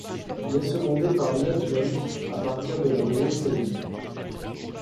Il est secondé par Nell Jones à partir de la deuxième saison.